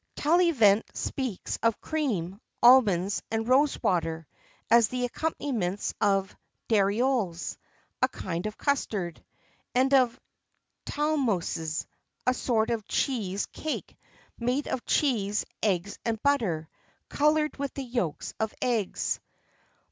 [XXIV 41] Taillevant speaks of cream, almonds, and rose water, as the accompaniments of Darioles, a kind of custard; and of Talmouses, a sort of cheese cake, made of cheese, eggs, and butter, coloured with the yolks of eggs.